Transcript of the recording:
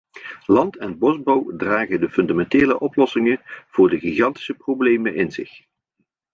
Land- en bosbouw dragen de fundamentele oplossingen voor de gigantische problemen in zich.